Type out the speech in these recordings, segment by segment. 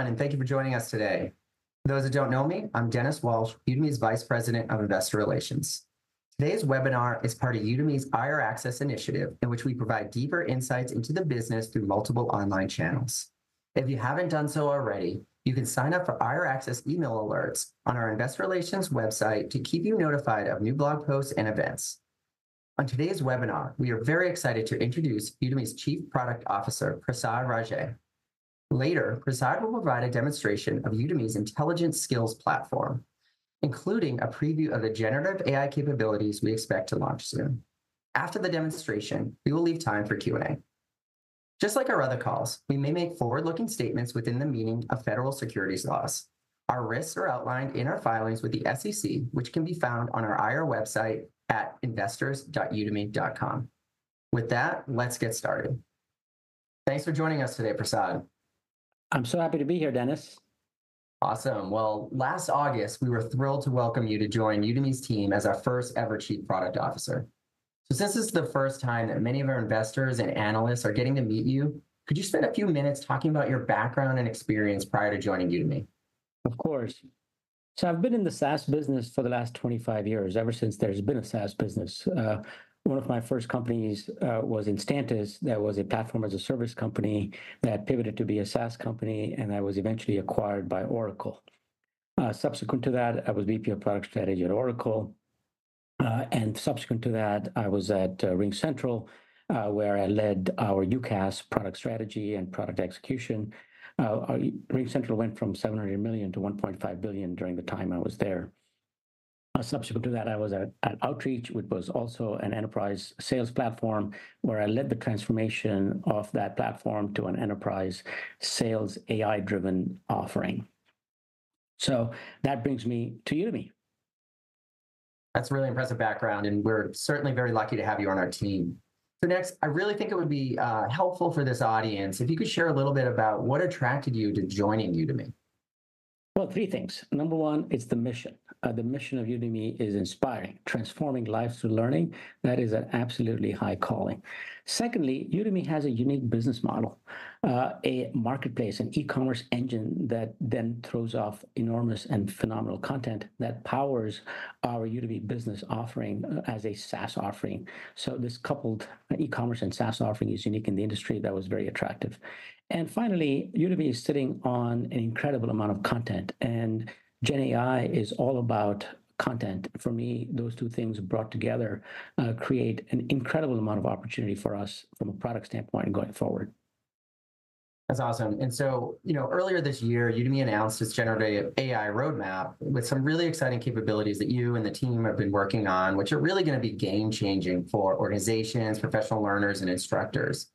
Everyone, and thank you for joining us today. Those that don't know me, I'm Dennis Walsh, Udemy's Vice President of investor relations. Today's webinar is part of Udemy's IR Access Initiative, in which we provide deeper insights into the business through multiple online channels. If you haven't done so already, you can sign up for IR Access email alerts on our investor relations website to keep you notified of new blog posts and events. On today's webinar, we are very excited to introduce Udemy's Chief Product Officer, Prasad Raje. Later, Prasad will provide a demonstration of Udemy's Intelligent Skills Platform, including a preview of the generative AI capabilities we expect to launch soon. After the demonstration, we will leave time for Q&A. Just like our other calls, we may make forward-looking statements within the meaning of federal securities laws. Our risks are outlined in our filings with the SEC, which can be found on our IR website at investors.udemy.com. With that, let's get started. Thanks for joining us today, Prasad. I'm so happy to be here, Dennis. Awesome. Well, last August, we were thrilled to welcome you to join Udemy's team as our first-ever Chief Product Officer. Since this is the first time that many of our investors and analysts are getting to meet you, could you spend a few minutes talking about your background and experience prior to joining Udemy? Of course. I've been in the SaaS business for the last 25 years, ever since there's been a SaaS business. One of my first companies was Instantis. That was a platform-as-a-service company that pivoted to be a SaaS company, and that was eventually acquired by Oracle. Subsequent to that, I was VP of Product Strategy at Oracle. And subsequent to that, I was at RingCentral, where I led our UCaaS product strategy and product execution. RingCentral went from $700 million to $1.5 billion during the time I was there. Subsequent to that, I was at Outreach, which was also an enterprise sales platform, where I led the transformation of that platform to an enterprise sales AI-driven offering. So that brings me to Udemy. That's a really impressive background, and we're certainly very lucky to have you on our team. So next, I really think it would be helpful for this audience if you could share a little bit about what attracted you to joining Udemy. Well, three things. Number 1, it's the mission. The mission of Udemy is inspiring, transforming lives through learning. That is an absolutely high calling. Secondly, Udemy has a unique business model, a marketplace, an e-commerce engine that then throws off enormous and phenomenal content that powers our Udemy Business offering as a SaaS offering. So this coupled e-commerce and SaaS offering is unique in the industry. That was very attractive. And finally, Udemy is sitting on an incredible amount of content, and GenAI is all about content. For me, those two things brought together create an incredible amount of opportunity for us from a product standpoint going forward. That's awesome. And so earlier this year, Udemy announced its generative AI roadmap with some really exciting capabilities that you and the team have been working on, which are really going to be game-changing for organizations, professional learners, and instructors.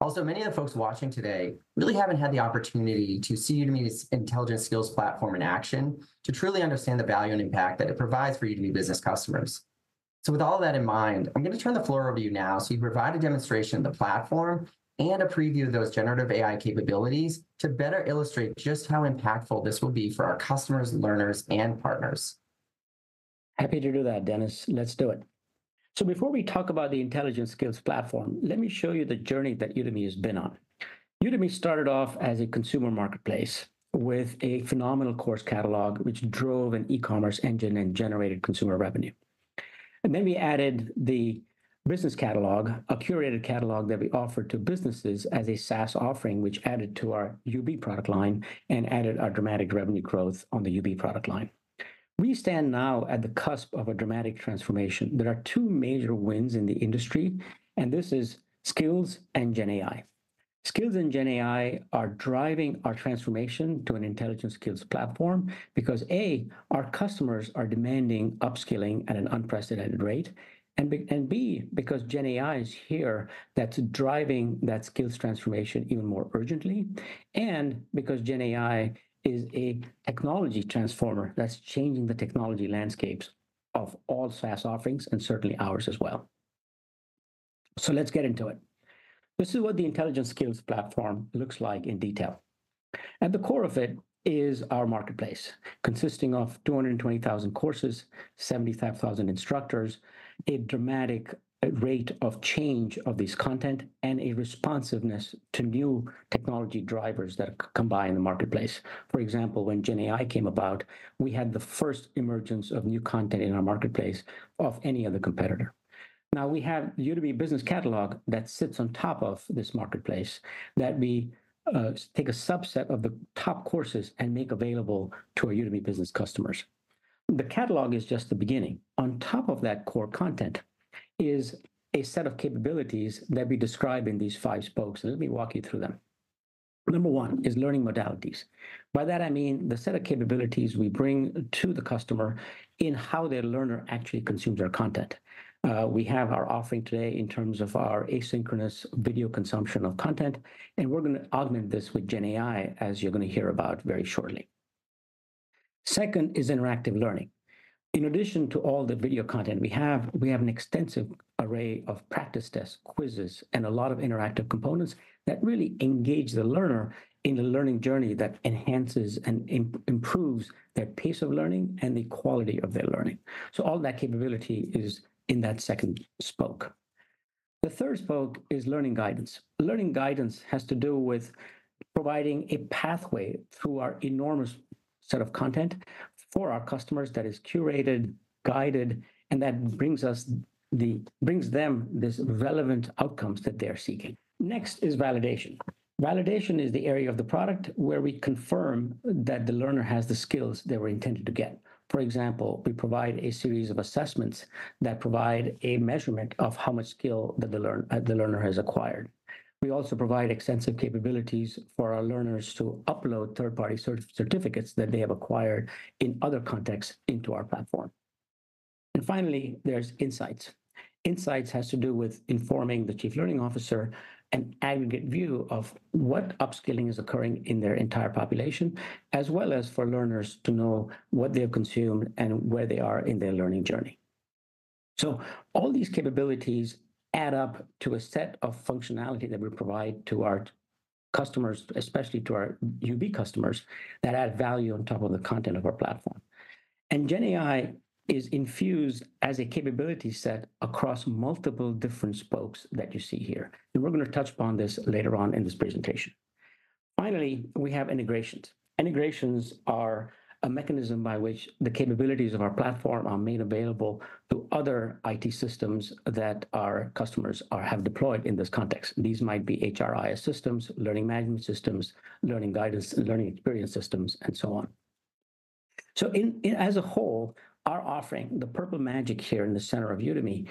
Also, many of the folks watching today really haven't had the opportunity to see Udemy's Intelligent Skills Platform in action, to truly understand the value and impact that it provides for Udemy Business customers. So with all of that in mind, I'm going to turn the floor over to you now. So you provide a demonstration of the platform and a preview of those generative AI capabilities to better illustrate just how impactful this will be for our customers, learners, and partners. Happy to do that, Dennis. Let's do it. So before we talk about the intelligent skills platform, let me show you the journey that Udemy has been on. Udemy started off as a consumer marketplace with a phenomenal course catalog, which drove an e-commerce engine and generated consumer revenue. And then we added the business catalog, a curated catalog that we offered to businesses as a SaaS offering, which added to our UB product line and added our dramatic revenue growth on the UB product line. We stand now at the cusp of a dramatic transformation. There are two major wins in the industry, and this is skills and GenAI. Skills and GenAI are driving our transformation to an intelligent skills platform because, A, our customers are demanding upskilling at an unprecedented rate, and B, because GenAI is here that's driving that skills transformation even more urgently, and because GenAI is a technology transformer that's changing the technology landscapes of all SaaS offerings and certainly ours as well. So let's get into it. This is what the intelligent skills platform looks like in detail. At the core of it is our marketplace, consisting of 220,000 courses, 75,000 instructors, a dramatic rate of change of this content, and a responsiveness to new technology drivers that combine the marketplace. For example, when GenAI came about, we had the first emergence of new content in our marketplace of any other competitor. Now, we have the Udemy Business catalog that sits on top of this marketplace, that we take a subset of the top courses and make available to our Udemy Business customers. The catalog is just the beginning. On top of that core content is a set of capabilities that we describe in these five spokes. Let me walk you through them. Number one is learning modalities. By that, I mean the set of capabilities we bring to the customer in how their learner actually consumes our content. We have our offering today in terms of our asynchronous video consumption of content, and we're going to augment this with GenAI, as you're going to hear about very shortly. Second is interactive learning. In addition to all the video content we have, we have an extensive array of practice tests, quizzes, and a lot of interactive components that really engage the learner in the learning journey that enhances and improves their pace of learning and the quality of their learning. So all that capability is in that second spoke. The third spoke is learning guidance. Learning guidance has to do with providing a pathway through our enormous set of content for our customers that is curated, guided, and that brings them these relevant outcomes that they're seeking. Next is validation. Validation is the area of the product where we confirm that the learner has the skills they were intended to get. For example, we provide a series of assessments that provide a measurement of how much skill that the learner has acquired. We also provide extensive capabilities for our learners to upload third-party certificates that they have acquired in other contexts into our platform. Finally, there's Insights. Insights has to do with informing the Chief Learning Officer an aggregate view of what upskilling is occurring in their entire population, as well as for learners to know what they have consumed and where they are in their learning journey. All these capabilities add up to a set of functionality that we provide to our customers, especially to our UB customers, that add value on top of the content of our platform. GenAI is infused as a capability set across multiple different spokes that you see here. We're going to touch upon this later on in this presentation. Finally, we have integrations. Integrations are a mechanism by which the capabilities of our platform are made available to other IT systems that our customers have deployed in this context. These might be HRIS systems, learning management systems, learning guidance, learning experience systems, and so on. So as a whole, our offering, the purple magic here in the center of Udemy,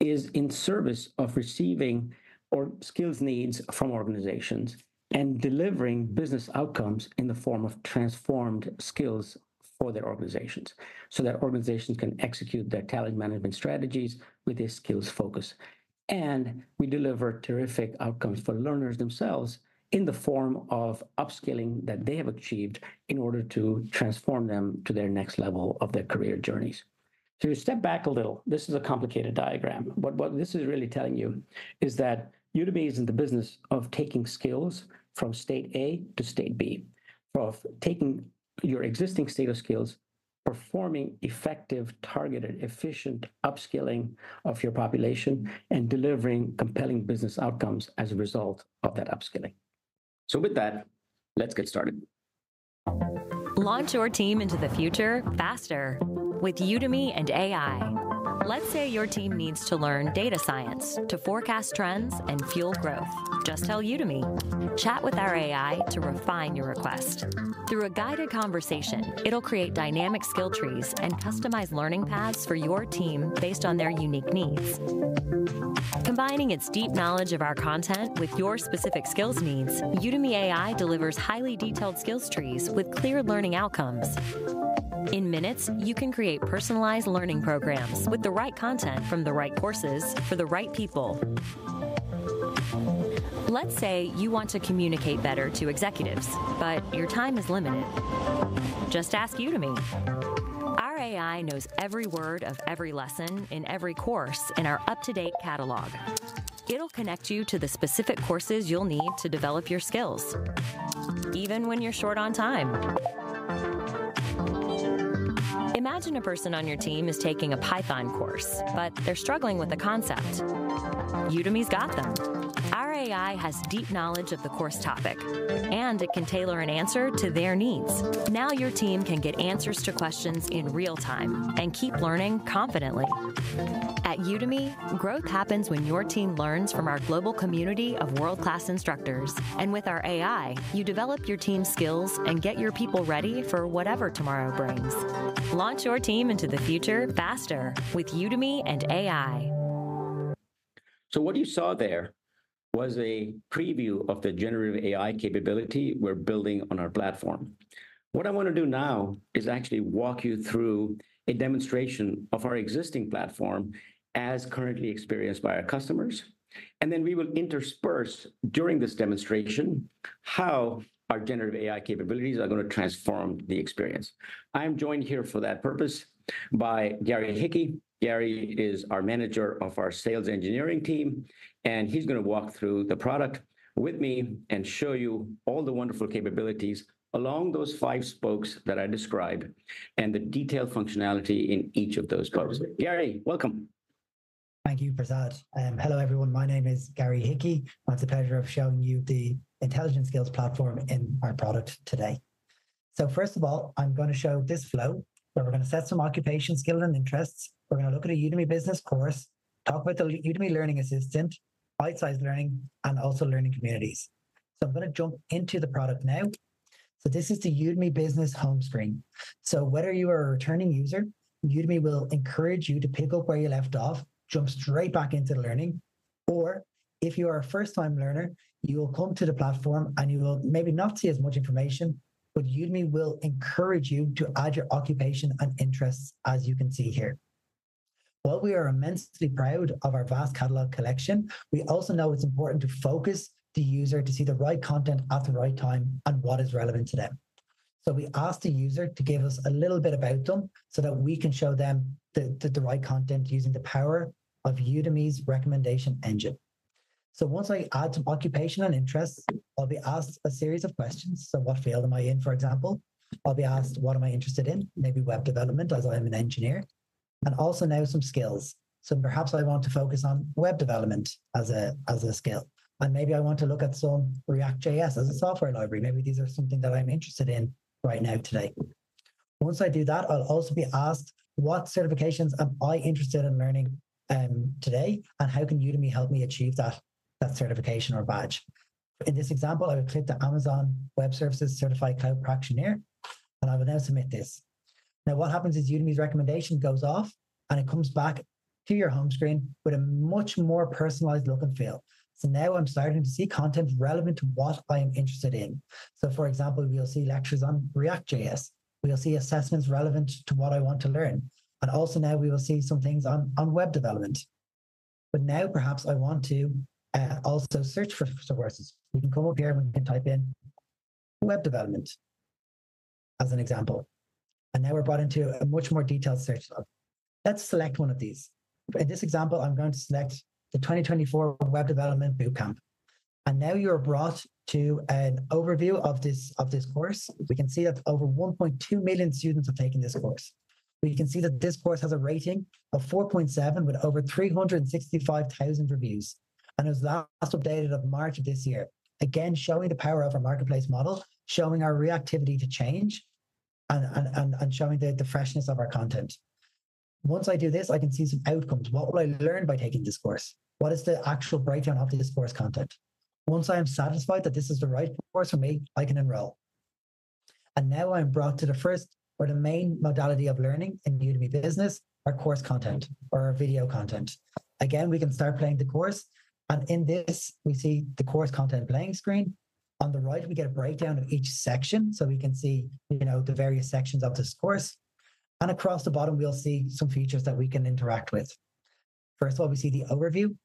is in service of receiving their skills needs from organizations and delivering business outcomes in the form of transformed skills for their organizations so that organizations can execute their talent management strategies with this skills focus. And we deliver terrific outcomes for learners themselves in the form of upskilling that they have achieved in order to transform them to their next level of their career journeys. So you step back a little. This is a complicated diagram. What this is really telling you is that Udemy is in the business of taking skills from state A to state B, of taking your existing state of skills, performing effective, targeted, efficient upskilling of your population, and delivering compelling business outcomes as a result of that upskilling. With that, let's get started. Launch your team into the future faster with Udemy and AI. Let's say your team needs to learn data science to forecast trends and fuel growth. Just tell Udemy. Chat with our AI to refine your request. Through a guided conversation, it'll create dynamic skill trees and customize learning paths for your team based on their unique needs. Combining its deep knowledge of our content with your specific skills needs, Udemy AI delivers highly detailed skills trees with clear learning outcomes. In minutes, you can create personalized learning programs with the right content from the right courses for the right people. Let's say you want to communicate better to executives, but your time is limited. Just ask Udemy. Our AI knows every word of every lesson in every course in our up-to-date catalog. It'll connect you to the specific courses you'll need to develop your skills, even when you're short on time. Imagine a person on your team is taking a Python course, but they're struggling with a concept. Udemy's got them. Our AI has deep knowledge of the course topic, and it can tailor an answer to their needs. Now your team can get answers to questions in real time and keep learning confidently. At Udemy, growth happens when your team learns from our global community of world-class instructors. With our AI, you develop your team's skills and get your people ready for whatever tomorrow brings. Launch your team into the future faster with Udemy and AI. So what you saw there was a preview of the generative AI capability we're building on our platform. What I want to do now is actually walk you through a demonstration of our existing platform as currently experienced by our customers. And then we will intersperse during this demonstration how our generative AI capabilities are going to transform the experience. I'm joined here for that purpose by Gary Hickey. Gary is our manager of our sales engineering team. And he's going to walk through the product with me and show you all the wonderful capabilities along those five spokes that I described and the detailed functionality in each of those spokes. Gary, welcome. Thank you, Prasad. Hello, everyone. My name is Gary Hickey. I have the pleasure of showing you the Intelligent Skills Platform in our product today. So first of all, I'm going to show this flow where we're going to set some occupation skills and interests. We're going to look at a Udemy Business course, talk about the Udemy Learning Assistant, outsized learning, and also Learning Communities. So I'm going to jump into the product now. So this is the Udemy Business home screen. So whether you are a returning user, Udemy will encourage you to pick up where you left off, jump straight back into learning. Or if you are a first-time learner, you will come to the platform and you will maybe not see as much information, but Udemy will encourage you to add your occupation and interests as you can see here. While we are immensely proud of our vast catalog collection, we also know it's important to focus the user to see the right content at the right time and what is relevant to them. So we ask the user to give us a little bit about them so that we can show them the right content using the power of Udemy's recommendation engine. So once I add some occupation and interests, I'll be asked a series of questions. So what field am I in, for example? I'll be asked, what am I interested in? Maybe web development, as I am an engineer. And also now some skills. So perhaps I want to focus on web development as a skill. And maybe I want to look at some React.js as a software library. Maybe these are something that I'm interested in right now today. Once I do that, I'll also be asked, what certifications am I interested in learning today and how can Udemy help me achieve that certification or badge? In this example, I would click the Amazon Web Services Certified Cloud Practitioner. And I will now submit this. Now, what happens is Udemy's recommendation goes off, and it comes back to your home screen with a much more personalized look and feel. So now I'm starting to see content relevant to what I am interested in. So for example, we'll see lectures on React.js. We'll see assessments relevant to what I want to learn. And also now we will see some things on web development. But now perhaps I want to also search for courses. We can come up here and we can type in web development as an example. And now we're brought into a much more detailed search. Let's select one of these. In this example, I'm going to select the 2024 Web Development Bootcamp. Now you're brought to an overview of this course. We can see that over 1.2 million students have taken this course. We can see that this course has a rating of 4.7 with over 365,000 reviews. It was last updated in March of this year, again showing the power of our marketplace model, showing our reactivity to change, and showing the freshness of our content. Once I do this, I can see some outcomes. What will I learn by taking this course? What is the actual breakdown of this course content? Once I am satisfied that this is the right course for me, I can enroll. Now I'm brought to the first or the main modality of learning in Udemy Business, our course content or our video content. Again, we can start playing the course. In this, we see the course content playing screen. On the right, we get a breakdown of each section so we can see the various sections of this course. Across the bottom, we'll see some features that we can interact with. First of all, we see the overview.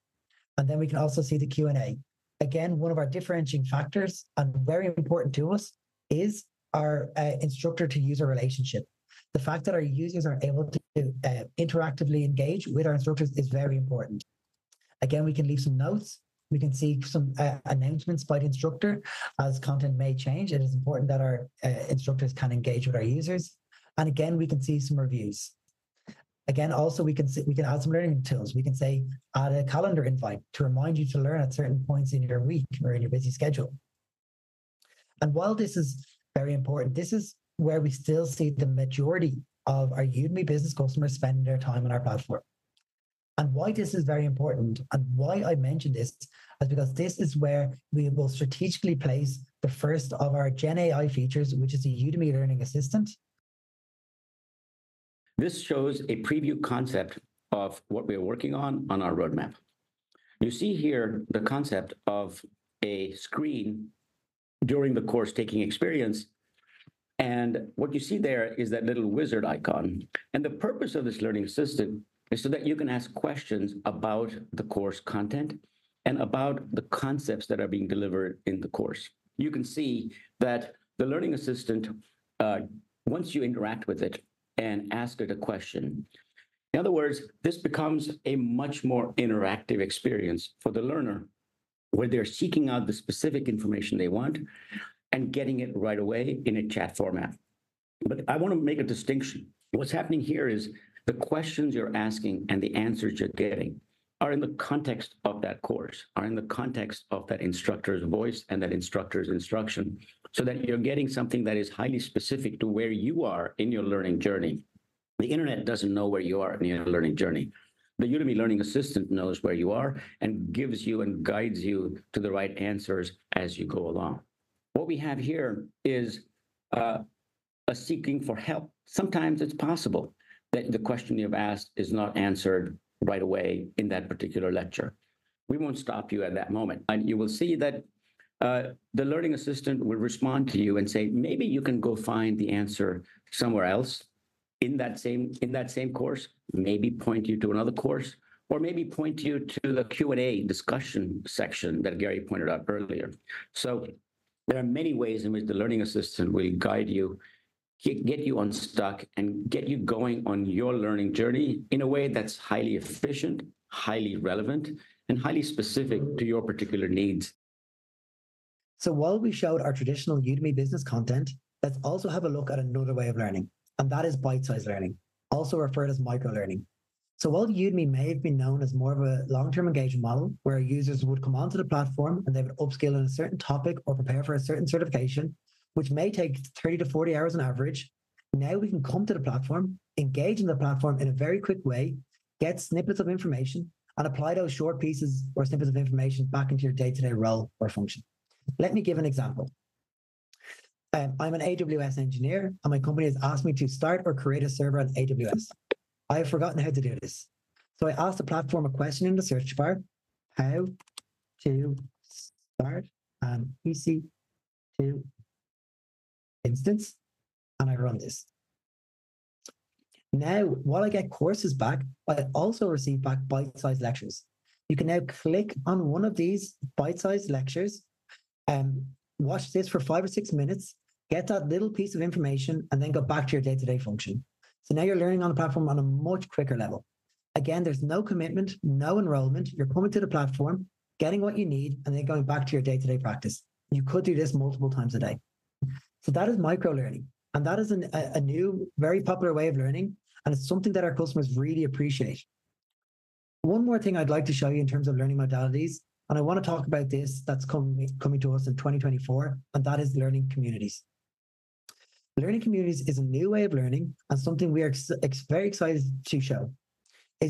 Then we can also see the Q&A. Again, one of our differentiating factors and very important to us is our instructor-to-user relationship. The fact that our users are able to interactively engage with our instructors is very important. Again, we can leave some notes. We can see some announcements by the instructor as content may change. It is important that our instructors can engage with our users. Again, we can see some reviews. Again, also, we can add some learning tools. We can say, add a calendar invite to remind you to learn at certain points in your week or in your busy schedule. And while this is very important, this is where we still see the majority of our Udemy Business customers spending their time on our platform. And why this is very important and why I mention this is because this is where we will strategically place the first of our GenAI features, which is the Udemy Learning Assistant. This shows a preview concept of what we are working on our roadmap. You see here the concept of a screen during the course taking experience. And what you see there is that little wizard icon. And the purpose of this learning assistant is so that you can ask questions about the course content and about the concepts that are being delivered in the course. You can see that the learning assistant, once you interact with it and ask it a question in other words, this becomes a much more interactive experience for the learner where they're seeking out the specific information they want and getting it right away in a chat format. But I want to make a distinction. What's happening here is the questions you're asking and the answers you're getting are in the context of that course, are in the context of that instructor's voice and that instructor's instruction so that you're getting something that is highly specific to where you are in your learning journey. The internet doesn't know where you are in your learning journey. The Udemy Learning Assistant knows where you are and gives you and guides you to the right answers as you go along. What we have here is a seeking for help. Sometimes it's possible that the question you've asked is not answered right away in that particular lecture. We won't stop you at that moment. You will see that the learning assistant will respond to you and say, maybe you can go find the answer somewhere else in that same course, maybe point you to another course, or maybe point you to the Q&A discussion section that Gary pointed out earlier. There are many ways in which the learning assistant will guide you, get you unstuck, and get you going on your learning journey in a way that's highly efficient, highly relevant, and highly specific to your particular needs. So while we showed our traditional Udemy Business content, let's also have a look at another way of learning. That is bite-sized learning, also referred as microlearning. So while Udemy may have been known as more of a long-term engagement model where users would come onto the platform and they would upskill in a certain topic or prepare for a certain certification, which may take 30-40 hours on average, now we can come to the platform, engage in the platform in a very quick way, get snippets of information, and apply those short pieces or snippets of information back into your day-to-day role or function. Let me give an example. I'm an AWS engineer, and my company has asked me to start or create a server on AWS. I have forgotten how to do this. So I asked the platform a question in the search bar, how to start an EC2 instance, and I run this. Now, while I get courses back, I also receive back bite-sized lectures. You can now click on one of these bite-sized lectures, watch this for five or six minutes, get that little piece of information, and then go back to your day-to-day function. So now you're learning on the platform on a much quicker level. Again, there's no commitment, no enrollment. You're coming to the platform, getting what you need, and then going back to your day-to-day practice. You could do this multiple times a day. So that is microlearning. And that is a new, very popular way of learning. And it's something that our customers really appreciate. One more thing I'd like to show you in terms of learning modalities, and I want to talk about this that's coming to us in 2024, and that is Learning Communities. Learning Communities is a new way of learning and something we are very excited to show.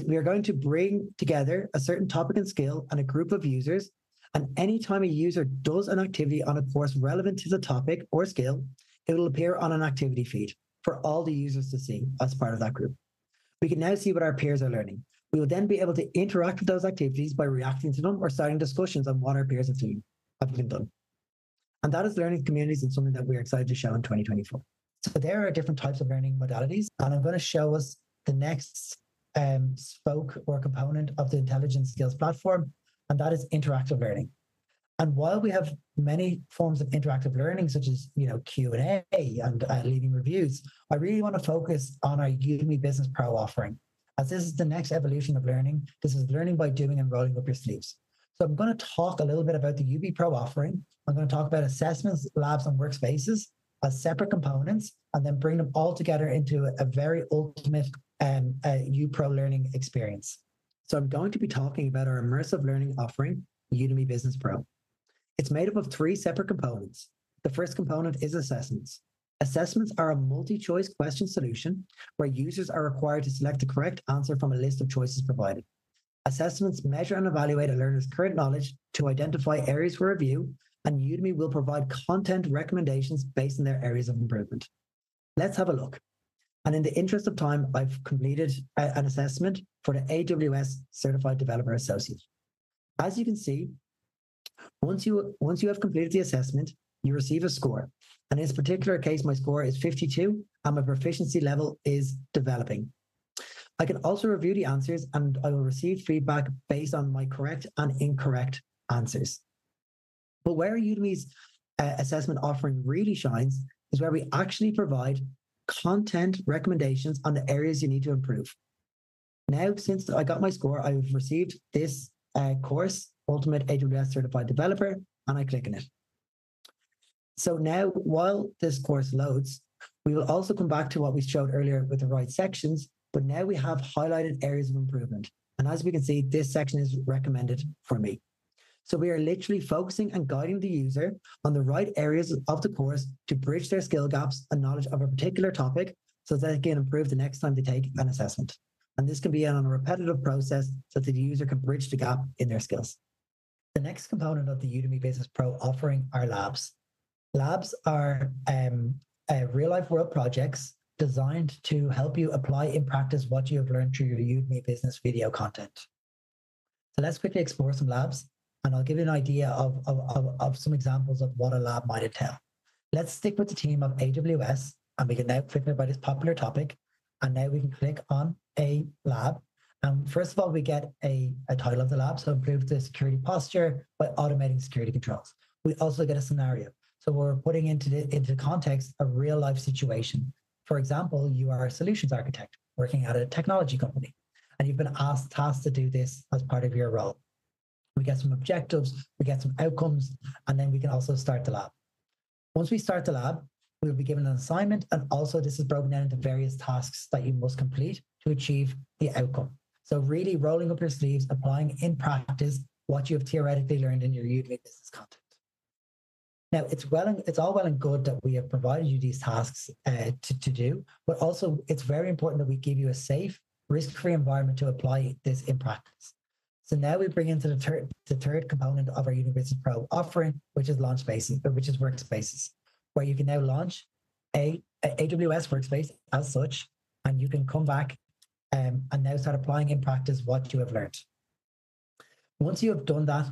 We are going to bring together a certain topic and skill and a group of users. Anytime a user does an activity on a course relevant to the topic or skill, it will appear on an activity feed for all the users to see as part of that group. We can now see what our peers are learning. We will then be able to interact with those activities by reacting to them or starting discussions on what our peers are doing have been done. That is Learning Communities and something that we are excited to show in 2024. So there are different types of learning modalities. And I'm going to show us the next spoke or component of the intelligent skills platform. And that is interactive learning. And while we have many forms of interactive learning, such as Q&A and leaving reviews, I really want to focus on our Udemy Business Pro offering. As this is the next evolution of learning, this is learning by doing and rolling up your sleeves. So I'm going to talk a little bit about the UB Pro offering. I'm going to talk about assessments, labs, and workspaces as separate components, and then bring them all together into a very ultimate U Pro learning experience. So I'm going to be talking about our immersive learning offering, Udemy Business Pro. It's made up of three separate components. The first component is assessments. Assessments are a multiple-choice question solution where users are required to select the correct answer from a list of choices provided. Assessments measure and evaluate a learner's current knowledge to identify areas for review, and Udemy will provide content recommendations based on their areas of improvement. Let's have a look. In the interest of time, I've completed an assessment for the AWS Certified Developer Associate. As you can see, once you have completed the assessment, you receive a score. In this particular case, my score is 52, and my proficiency level is developing. I can also review the answers, and I will receive feedback based on my correct and incorrect answers. But where Udemy's assessment offering really shines is where we actually provide content recommendations on the areas you need to improve. Now, since I got my score, I have received this course, Ultimate AWS Certified Developer, and I click on it. So now, while this course loads, we will also come back to what we showed earlier with the right sections, but now we have highlighted areas of improvement. As we can see, this section is recommended for me. We are literally focusing and guiding the user on the right areas of the course to bridge their skill gaps and knowledge of a particular topic so that they can improve the next time they take an assessment. This can be on a repetitive process so that the user can bridge the gap in their skills. The next component of the Udemy Business Pro offering are labs. Labs are real-life world projects designed to help you apply in practice what you have learned through your Udemy Business video content. Let's quickly explore some labs, and I'll give you an idea of some examples of what a lab might entail. Let's stick with the theme of AWS, and we can now click on it by this popular topic. Now we can click on a lab. First of all, we get a title of the lab, so improve the security posture by automating security controls. We also get a scenario. So we're putting into the context a real-life situation. For example, you are a solutions architect working at a technology company, and you've been tasked to do this as part of your role. We get some objectives, we get some outcomes, and then we can also start the lab. Once we start the lab, we'll be given an assignment, and also this is broken down into various tasks that you must complete to achieve the outcome. So really rolling up your sleeves, applying in practice what you have theoretically learned in your Udemy Business content. Now, it's all well and good that we have provided you these tasks to do, but also it's very important that we give you a safe, risk-free environment to apply this in practice. So now we bring into the third component of our Udemy Business Pro offering, which is launch spaces, which is workspaces, where you can now launch an AWS workspace as such, and you can come back and now start applying in practice what you have learned. Once you have done that.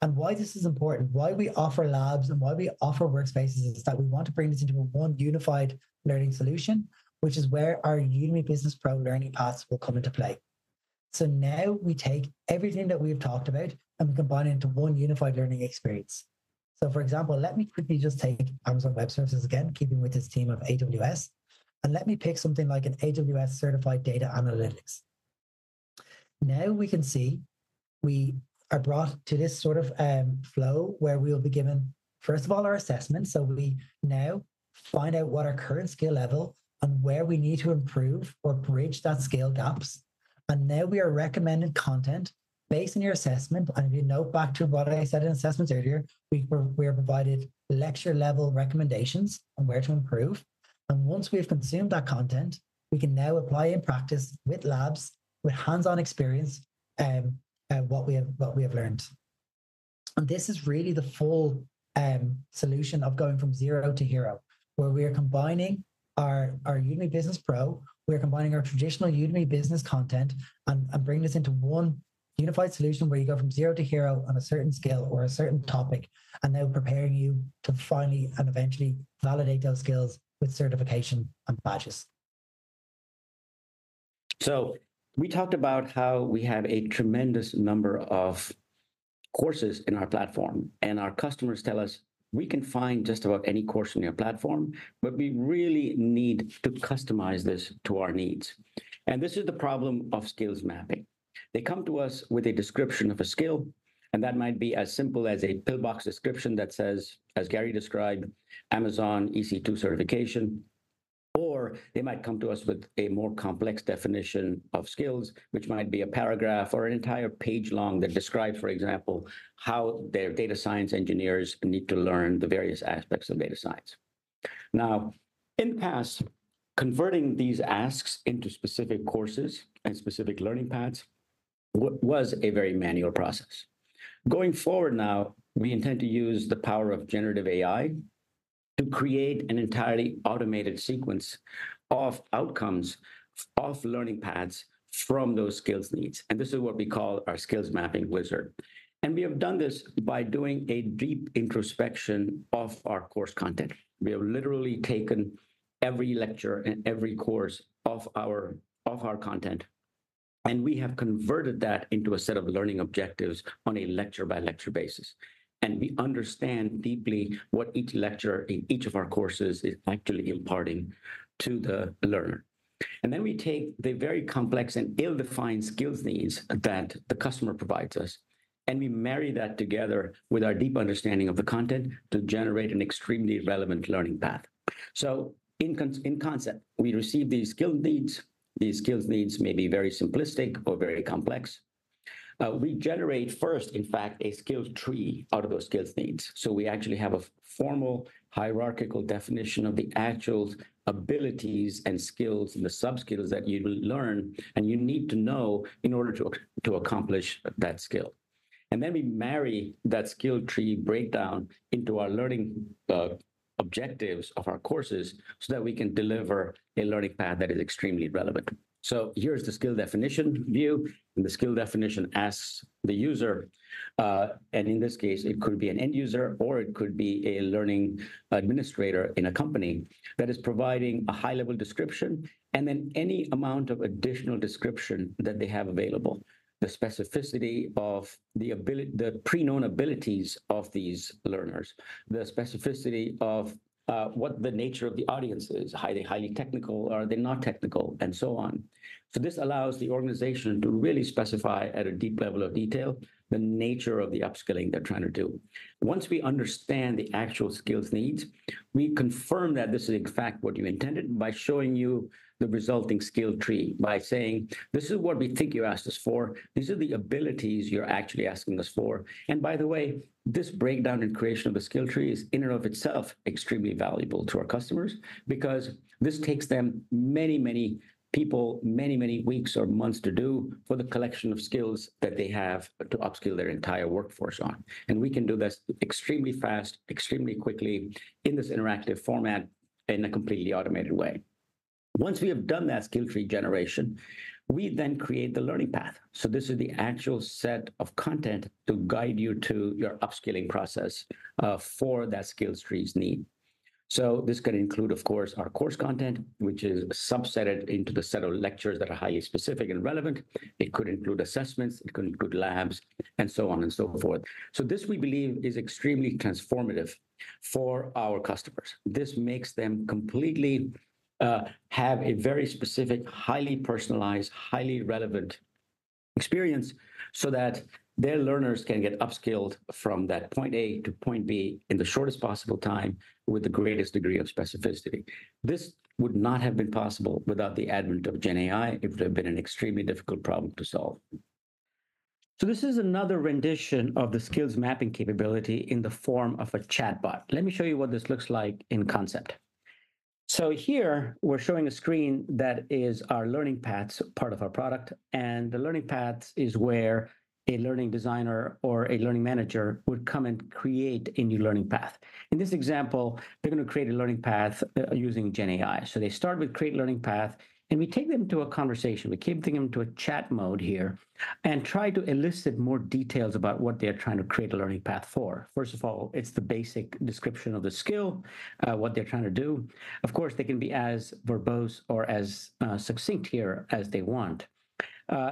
And why this is important, why we offer labs and why we offer workspaces is that we want to bring this into one unified learning solution, which is where our Udemy Business Pro learning paths will come into play. So now we take everything that we have talked about, and we combine it into one unified learning experience. So for example, let me quickly just take Amazon Web Services again, keeping with this team of AWS, and let me pick something like an AWS Certified Data Analytics. Now we can see we are brought to this sort of flow where we will be given, first of all, our assessment. So we now find out what our current skill level is and where we need to improve or bridge that skill gaps. And now we are recommended content based on your assessment. And if you note back to what I said in assessments earlier, we are provided lecture-level recommendations on where to improve. And once we have consumed that content, we can now apply in practice with labs, with hands-on experience, what we have learned. This is really the full solution of going from zero to hero, where we are combining our Udemy Business Pro, we are combining our traditional Udemy Business content, and bringing this into one unified solution where you go from zero to hero on a certain skill or a certain topic, and now preparing you to finally and eventually validate those skills with certification and badges. So we talked about how we have a tremendous number of courses in our platform, and our customers tell us we can find just about any course on your platform, but we really need to customize this to our needs. And this is the problem of skills mapping. They come to us with a description of a skill, and that might be as simple as a pillbox description that says, as Gary described, Amazon EC2 certification. Or they might come to us with a more complex definition of skills, which might be a paragraph or an entire page long that describes, for example, how their data science engineers need to learn the various aspects of data science. Now, in the past, converting these asks into specific courses and specific learning paths was a very manual process. Going forward now, we intend to use the power of generative AI to create an entirely automated sequence of outcomes, of learning paths from those skills needs. This is what we call our Skills Mapping Wizard. We have done this by doing a deep introspection of our course content. We have literally taken every lecture and every course of our content, and we have converted that into a set of learning objectives on a lecture-by-lecture basis. We understand deeply what each lecture in each of our courses is actually imparting to the learner. Then we take the very complex and ill-defined skills needs that the customer provides us, and we marry that together with our deep understanding of the content to generate an extremely relevant learning path. In concept, we receive these skills needs. These skills needs may be very simplistic or very complex. We generate first, in fact, a skills tree out of those skills needs. So we actually have a formal, hierarchical definition of the actual abilities and skills and the subskills that you will learn and you need to know in order to accomplish that skill. And then we marry that skill tree breakdown into our learning objectives of our courses so that we can deliver a learning path that is extremely relevant. So here's the skill definition view. The skill definition asks the user, and in this case, it could be an end user, or it could be a learning administrator in a company that is providing a high-level description, and then any amount of additional description that they have available, the specificity of the pre-known abilities of these learners, the specificity of what the nature of the audience is, are they highly technical, are they not technical, and so on. This allows the organization to really specify at a deep level of detail the nature of the upskilling they're trying to do. Once we understand the actual skills needs, we confirm that this is, in fact, what you intended by showing you the resulting skill tree, by saying, this is what we think you asked us for. These are the abilities you're actually asking us for. By the way, this breakdown and creation of the skill tree is, in and of itself, extremely valuable to our customers because this takes them many, many people, many, many weeks or months to do for the collection of skills that they have to upskill their entire workforce on. We can do this extremely fast, extremely quickly in this interactive format in a completely automated way. Once we have done that skill tree generation, we then create the learning path. This is the actual set of content to guide you to your upskilling process for that skills tree's need. This could include, of course, our course content, which is subsetted into the set of lectures that are highly specific and relevant. It could include assessments, it could include labs, and so on and so forth. This, we believe, is extremely transformative for our customers. This makes them completely have a very specific, highly personalized, highly relevant experience so that their learners can get upskilled from that point A to point B in the shortest possible time with the greatest degree of specificity. This would not have been possible without the advent of GenAI. It would have been an extremely difficult problem to solve. So this is another rendition of the skills mapping capability in the form of a chatbot. Let me show you what this looks like in concept. So here, we're showing a screen that is our learning paths, part of our product. And the learning paths is where a learning designer or a learning manager would come and create a new learning path. In this example, they're going to create a learning path using GenAI. So they start with create learning path, and we take them to a conversation. We keep them into a chat mode here and try to elicit more details about what they are trying to create a learning path for. First of all, it's the basic description of the skill, what they're trying to do. Of course, they can be as verbose or as succinct here as they want.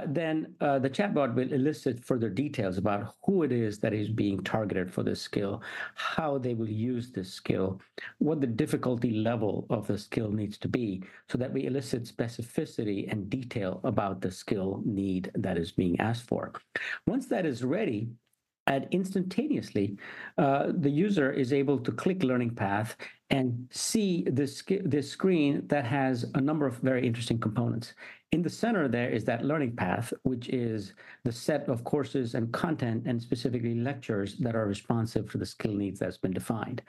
Then the chatbot will elicit further details about who it is that is being targeted for this skill, how they will use this skill, what the difficulty level of the skill needs to be so that we elicit specificity and detail about the skill need that is being asked for. Once that is ready, instantaneously, the user is able to click learning path and see this screen that has a number of very interesting components. In the center there is that learning path, which is the set of courses and content and specifically lectures that are responsive for the skill needs that have been defined.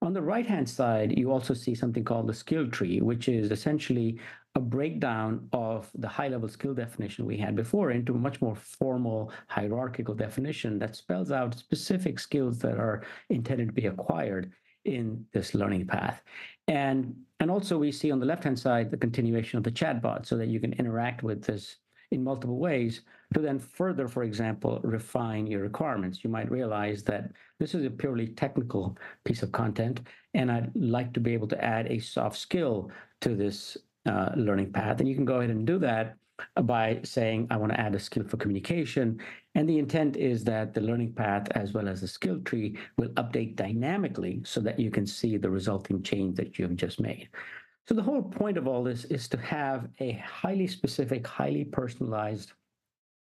On the right-hand side, you also see something called the skill tree, which is essentially a breakdown of the high-level skill definition we had before into a much more formal, hierarchical definition that spells out specific skills that are intended to be acquired in this learning path. Also, we see on the left-hand side the continuation of the chatbot so that you can interact with this in multiple ways to then further, for example, refine your requirements. You might realize that this is a purely technical piece of content, and I'd like to be able to add a soft skill to this learning path. And you can go ahead and do that by saying, I want to add a skill for communication. And the intent is that the learning path, as well as the skill tree, will update dynamically so that you can see the resulting change that you have just made. So the whole point of all this is to have a highly specific, highly personalized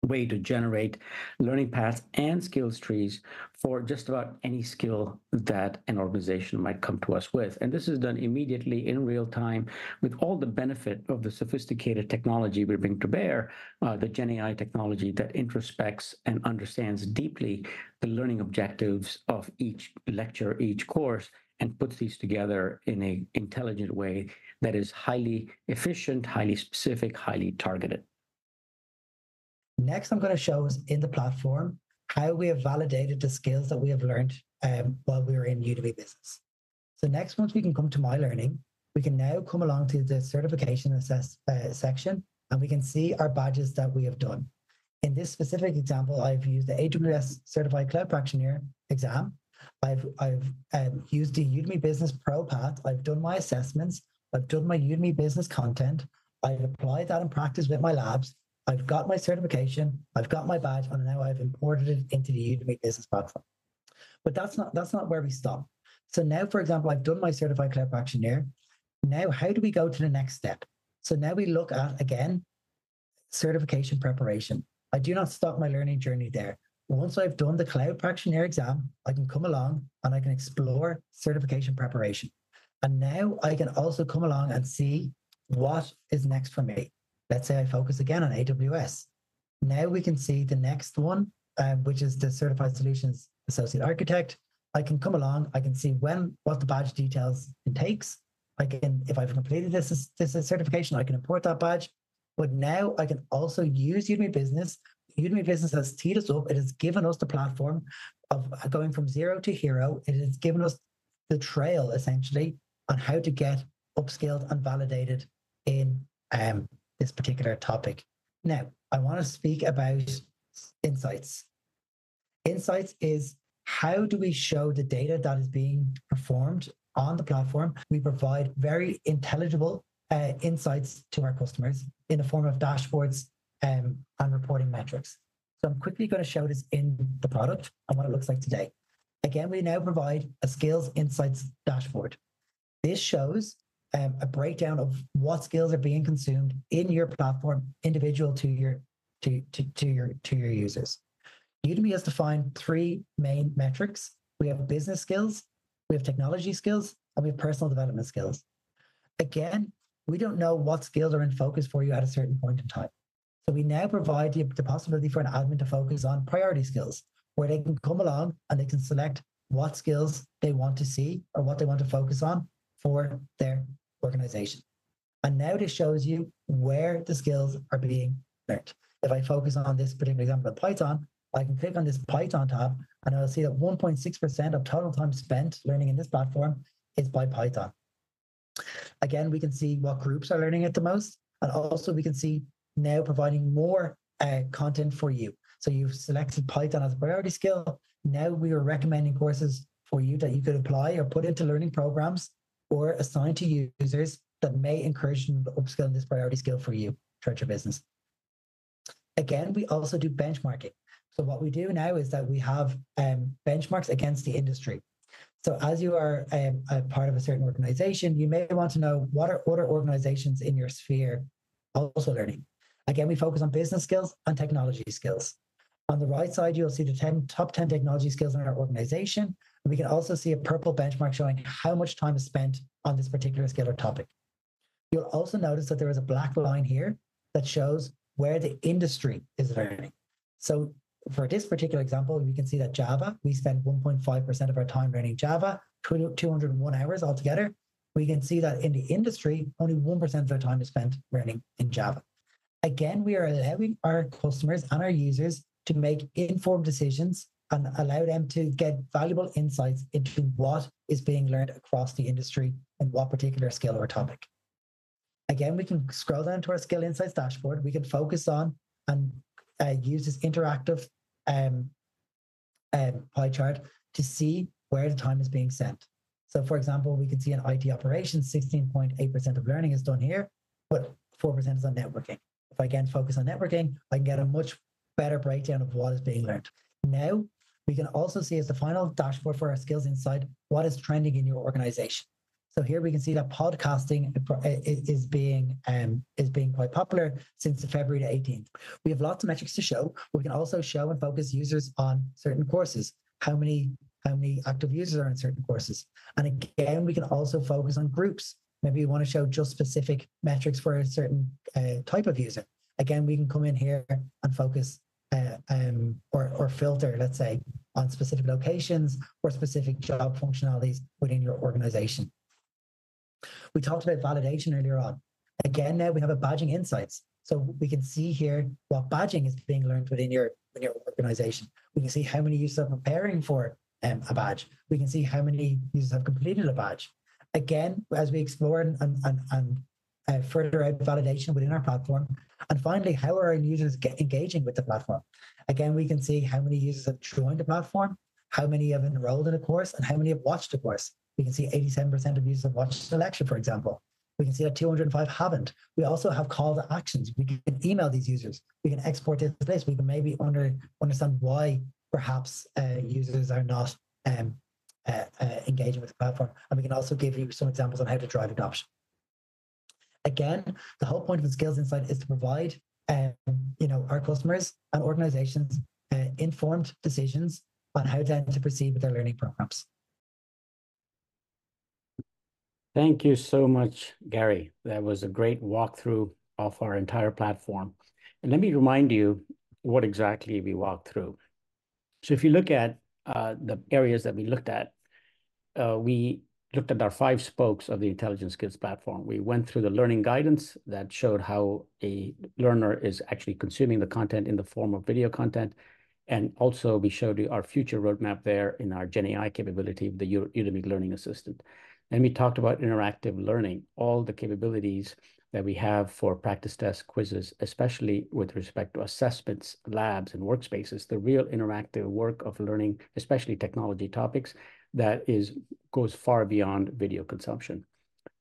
way to generate learning paths and skills trees for just about any skill that an organization might come to us with. And this is done immediately in real time with all the benefit of the sophisticated technology we bring to bear, the GenAI technology that introspects and understands deeply the learning objectives of each lecture, each course, and puts these together in an intelligent way that is highly efficient, highly specific, highly targeted. Next, I'm going to show us in the platform how we have validated the skills that we have learned while we were in Udemy Business. So next, once we can come to my learning, we can now come along to the certification section, and we can see our badges that we have done. In this specific example, I've used the AWS Certified Cloud Practitioner exam. I've used the Udemy Business Pro path. I've done my assessments. I've done my Udemy Business content. I've applied that in practice with my labs. I've got my certification. I've got my badge, and now I've imported it into the Udemy Business platform. But that's not where we stop. So now, for example, I've done my Certified Cloud Practitioner. Now, how do we go to the next step? So now we look at, again, certification preparation. I do not stop my learning journey there. Once I've done the AWS Certified Cloud Practitioner exam, I can come along, and I can explore certification preparation. Now I can also come along and see what is next for me. Let's say I focus again on AWS. Now we can see the next one, which is the AWS Certified Solutions Architect Associate. I can come along. I can see what the badge details entails. If I've completed this certification, I can import that badge. But now I can also use Udemy Business. Udemy Business has teed us up. It has given us the platform of going from zero to hero. It has given us the trail, essentially, on how to get upskilled and validated in this particular topic. Now, I want to speak about Insights. Insights is how do we show the data that is being performed on the platform. We provide very intelligible insights to our customers in the form of dashboards and reporting metrics. So I'm quickly going to show this in the product and what it looks like today. Again, we now provide a skills insights dashboard. This shows a breakdown of what skills are being consumed in your platform, individual to your users. Udemy has defined three main metrics. We have business skills, we have technology skills, and we have personal development skills. Again, we don't know what skills are in focus for you at a certain point in time. So we now provide the possibility for an admin to focus on priority skills, where they can come along and they can select what skills they want to see or what they want to focus on for their organization. Now this shows you where the skills are being learned. If I focus on this particular example of Python, I can click on this Python tab, and I'll see that 1.6% of total time spent learning in this platform is on Python. Again, we can see what groups are learning it the most, and also we can see now providing more content for you. So you've selected Python as a priority skill. Now we are recommending courses for you that you could apply or put into learning programs or assign to users that may encourage you to upskill this priority skill for you, Udemy Business. Again, we also do benchmarking. So what we do now is that we have benchmarks against the industry. So as you are part of a certain organization, you may want to know what are other organizations in your sphere also learning. Again, we focus on business skills and technology skills. On the right side, you'll see the top 10 technology skills in our organization. We can also see a purple benchmark showing how much time is spent on this particular skill or topic. You'll also notice that there is a black line here that shows where the industry is learning. So for this particular example, we can see that Java, we spend 1.5% of our time learning Java, 201 hours altogether. We can see that in the industry, only 1% of their time is spent learning in Java. Again, we are allowing our customers and our users to make informed decisions and allow them to get valuable insights into what is being learned across the industry and what particular skill or topic. Again, we can scroll down to our skill insights dashboard. We can focus on and use this interactive pie chart to see where the time is being spent. So, for example, we can see in IT operations, 16.8% of learning is done here, but 4% is on networking. If I again focus on networking, I can get a much better breakdown of what is being learned. Now, we can also see as the final dashboard for our Skills Inside, what is trending in your organization. So here we can see that podcasting is being quite popular since February the 18th. We have lots of metrics to show, but we can also show and focus users on certain courses, how many active users are in certain courses. And again, we can also focus on groups. Maybe you want to show just specific metrics for a certain type of user. Again, we can come in here and focus or filter, let's say, on specific locations or specific job functionalities within your organization. We talked about validation earlier on. Again, now we have Badging Insights. So we can see here what badging is being learned within your organization. We can see how many users are preparing for a badge. We can see how many users have completed a badge. Again, as we explore and further out validation within our platform. And finally, how are our users engaging with the platform? Again, we can see how many users have joined the platform, how many have enrolled in a course, and how many have watched a course. We can see 87% of users have watched a lecture, for example. We can see that 205 haven't. We also have calls to action. We can email these users. We can export this list. We can maybe understand why perhaps users are not engaging with the platform. And we can also give you some examples on how to drive adoption. Again, the whole point of the skills insight is to provide our customers and organizations informed decisions on how then to proceed with their learning programs. Thank you so much, Gary. That was a great walkthrough of our entire platform. Let me remind you what exactly we walked through. If you look at the areas that we looked at, we looked at our five spokes of the Intelligent Skills Platform. We went through the learning guidance that showed how a learner is actually consuming the content in the form of video content. Also, we showed you our future roadmap there in our GenAI capability with the Udemy Learning Assistant. We talked about interactive learning, all the capabilities that we have for practice tests, quizzes, especially with respect to assessments, labs, and workspaces, the real interactive work of learning, especially technology topics that goes far beyond video consumption.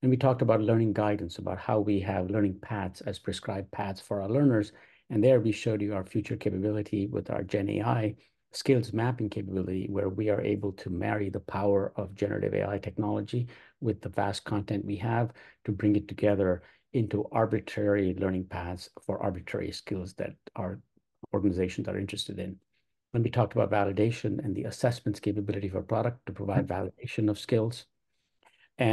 We talked about learning guidance, about how we have learning paths as prescribed paths for our learners. There, we showed you our future capability with our Gen AI skills mapping capability, where we are able to marry the power of generative AI technology with the vast content we have to bring it together into arbitrary learning paths for arbitrary skills that organizations are interested in. We talked about validation and the assessments capability of our product to provide validation of skills.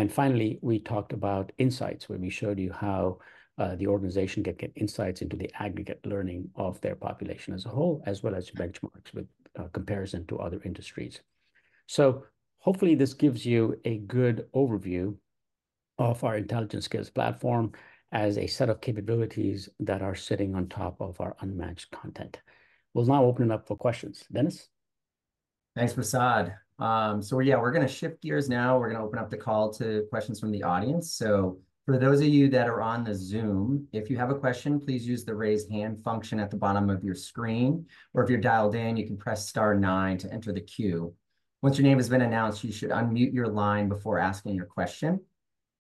Finally, we talked about insights, where we showed you how the organization can get insights into the aggregate learning of their population as a whole, as well as benchmarks with comparison to other industries. So hopefully, this gives you a good overview of our Intelligent Skills Platform as a set of capabilities that are sitting on top of our unmatched content. We'll now open it up for questions. Dennis? Thanks, Prasad. So yeah, we're going to shift gears now. We're going to open up the call to questions from the audience. So for those of you that are on the Zoom, if you have a question, please use the raise hand function at the bottom of your screen. Or if you're dialed in, you can press star nine to enter the queue. Once your name has been announced, you should unmute your line before asking your question.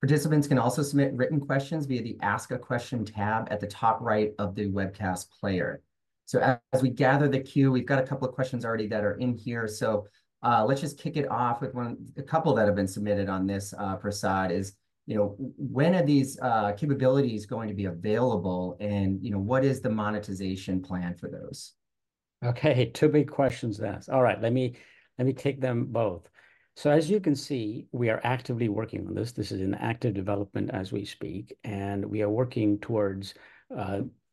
Participants can also submit written questions via the Ask a Question tab at the top right of the webcast player. So as we gather the queue, we've got a couple of questions already that are in here. So let's just kick it off with a couple that have been submitted on this. Prasad, is when are these capabilities going to be available, and what is the monetization plan for those? Okay, two big questions there. All right, let me take them both. So as you can see, we are actively working on this. This is in active development as we speak. And we are working towards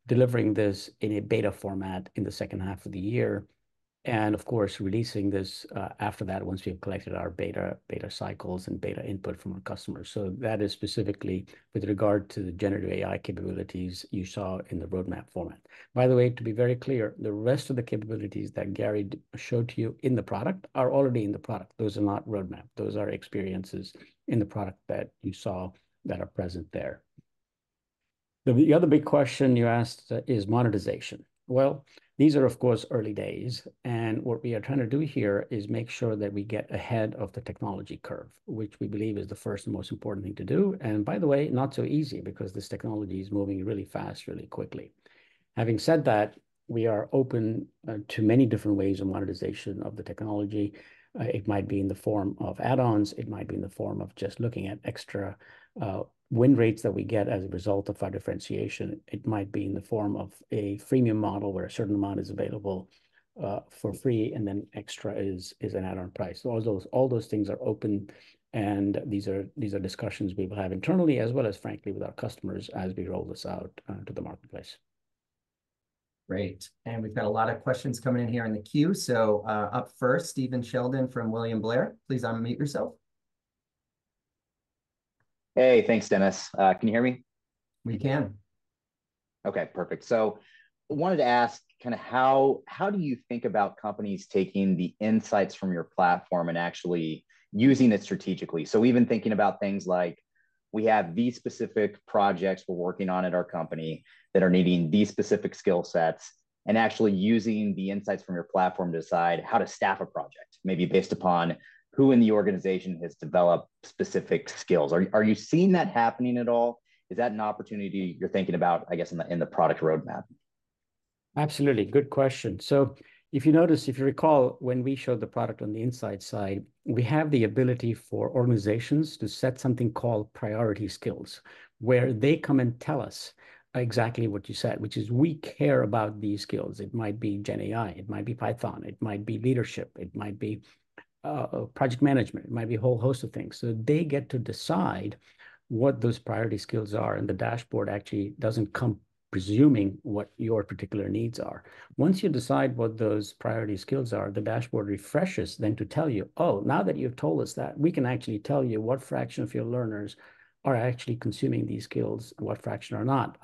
delivering this in a beta format in the second half of the year. And of course, releasing this after that once we have collected our beta cycles and beta input from our customers. So that is specifically with regard to the generative AI capabilities you saw in the roadmap format. By the way, to be very clear, the rest of the capabilities that Gary showed to you in the product are already in the product. Those are not roadmap. Those are experiences in the product that you saw that are present there. The other big question you asked is monetization. Well, these are, of course, early days. What we are trying to do here is make sure that we get ahead of the technology curve, which we believe is the first and most important thing to do. And by the way, not so easy, because this technology is moving really fast, really quickly. Having said that, we are open to many different ways of monetization of the technology. It might be in the form of add-ons. It might be in the form of just looking at extra win rates that we get as a result of our differentiation. It might be in the form of a freemium model where a certain amount is available for free, and then extra is an add-on price. So all those things are open. And these are discussions we will have internally, as well as, frankly, with our customers as we roll this out to the marketplace. Great. And we've got a lot of questions coming in here in the queue. So up first, Stephen Sheldon from William Blair. Please unmute yourself. Hey, thanks, Dennis. Can you hear me? We can. Okay, perfect. So I wanted to ask kind of how do you think about companies taking the insights from your platform and actually using it strategically? So even thinking about things like, we have these specific projects we're working on at our company that are needing these specific skill sets, and actually using the insights from your platform to decide how to staff a project, maybe based upon who in the organization has developed specific skills. Are you seeing that happening at all? Is that an opportunity you're thinking about, I guess, in the product roadmap? Absolutely. Good question. So if you notice, if you recall, when we showed the product on the insights side, we have the ability for organizations to set something called priority skills, where they come and tell us exactly what you said, which is, we care about these skills. It might be Gen AI. It might be Python. It might be leadership. It might be project management. It might be a whole host of things. So they get to decide what those priority skills are. And the dashboard actually doesn't come presuming what your particular needs are. Once you decide what those priority skills are, the dashboard refreshes then to tell you, oh, now that you've told us that, we can actually tell you what fraction of your learners are actually consuming these skills and what fraction are not.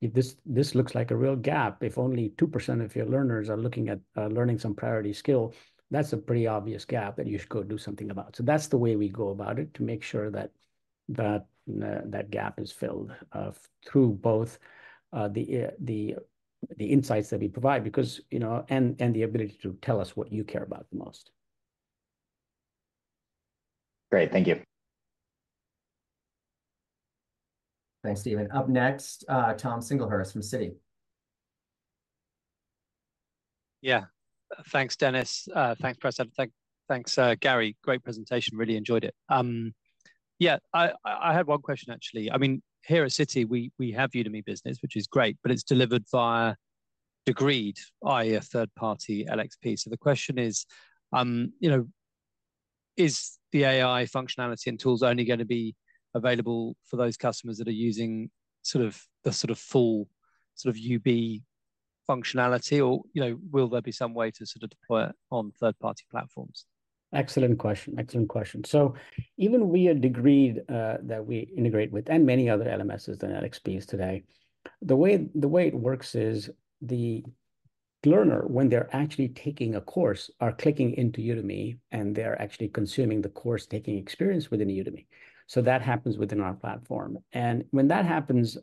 This looks like a real gap. If only 2% of your learners are looking at learning some priority skill, that's a pretty obvious gap that you should go do something about. So that's the way we go about it, to make sure that that gap is filled through both the insights that we provide and the ability to tell us what you care about the most. Great. Thank you. Thanks, Stephen. Up next, Tom Singlehurst from Citi. Yeah. Thanks, Dennis. Thanks, Prasad. Thanks, Gary. Great presentation. Really enjoyed it. Yeah, I had one question, actually. I mean, here at Citi, we have Udemy Business, which is great, but it's delivered via Degreed, i.e., a third-party LXP. So the question is, is the AI functionality and tools only going to be available for those customers that are using sort of the full sort of UB functionality, or will there be some way to sort of deploy it on third-party platforms? Excellent question. Excellent question. So even we at Degreed that we integrate with, and many other LMSs and LXPs today, the way it works is the learner, when they're actually taking a course, are clicking into Udemy, and they're actually consuming the course-taking experience within Udemy. So that happens within our platform. And when that happens,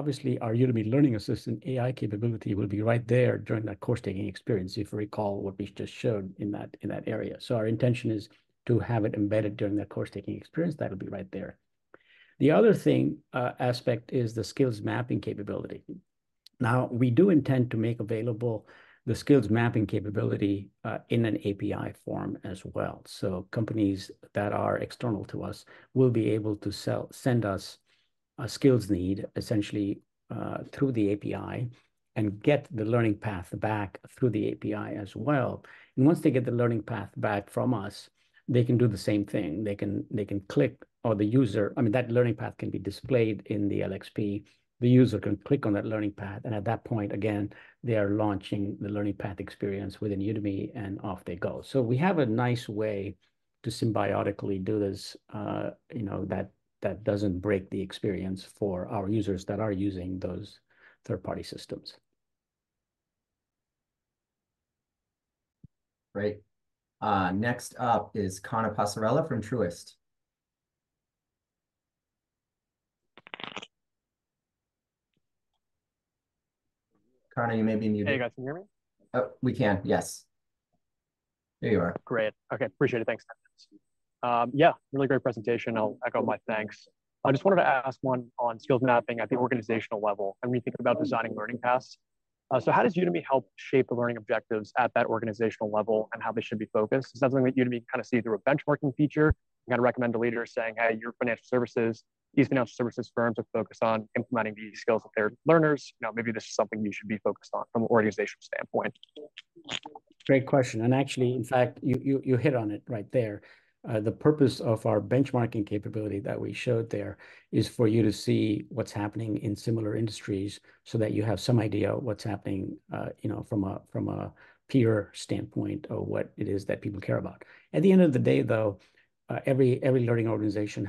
obviously, our Udemy Learning Assistant AI capability will be right there during that course-taking experience, if you recall what we just showed in that area. So our intention is to have it embedded during that course-taking experience. That'll be right there. The other aspect is the skills mapping capability. Now, we do intend to make available the skills mapping capability in an API form as well. So companies that are external to us will be able to send us a skills need, essentially, through the API and get the learning path back through the API as well. Once they get the learning path back from us, they can do the same thing. They can click, or the user I mean, that learning path can be displayed in the LXP. The user can click on that learning path. At that point, again, they are launching the learning path experience within Udemy, and off they go. So we have a nice way to symbiotically do this that doesn't break the experience for our users that are using those third-party systems. Great. Next up is Connor Passarella from Truist. Connor, you may be muted. Hey, guys. Can you hear me? We can. Yes. There you are. Great. Okay. Appreciate it. Thanks. Yeah, really great presentation. I'll echo my thanks. I just wanted to ask one on skills mapping at the organizational level and when you think about designing learning paths. So how does Udemy help shape the learning objectives at that organizational level and how they should be focused? Is that something that Udemy can kind of see through a benchmarking feature, kind of recommend to leaders saying, "Hey, your financial services, these financial services firms are focused on implementing these skills with their learners. Maybe this is something you should be focused on from an organizational standpoint"? Great question. Actually, in fact, you hit on it right there. The purpose of our benchmarking capability that we showed there is for you to see what's happening in similar industries so that you have some idea of what's happening from a peer standpoint of what it is that people care about. At the end of the day, though, every learning organization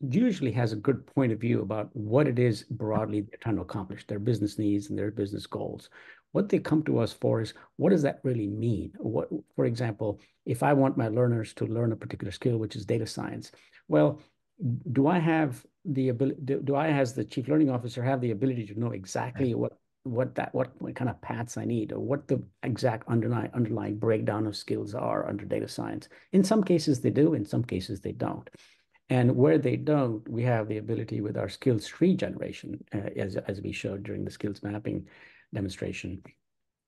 usually has a good point of view about what it is broadly they're trying to accomplish, their business needs and their business goals. What they come to us for is, what does that really mean? For example, if I want my learners to learn a particular skill, which is data science, well, do I, as the chief learning officer, have the ability to know exactly what kind of paths I need or what the exact underlying breakdown of skills are under data science? In some cases, they do. In some cases, they don't. And where they don't, we have the ability with our skills tree generation, as we showed during the skills mapping demonstration,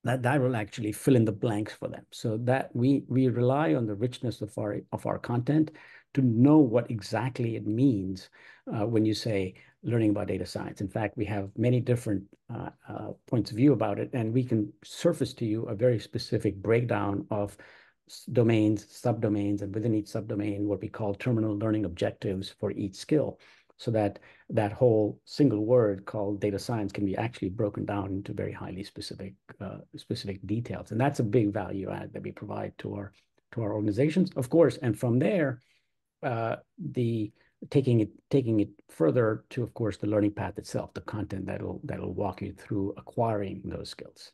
that will actually fill in the blanks for them. So we rely on the richness of our content to know what exactly it means when you say learning about data science. In fact, we have many different points of view about it. And we can surface to you a very specific breakdown of domains, subdomains, and within each subdomain, what we call terminal learning objectives for each skill, so that that whole single word called data science can be actually broken down into very highly specific details. And that's a big value add that we provide to our organizations, of course. And from there, taking it further to, of course, the learning path itself, the content that will walk you through acquiring those skills.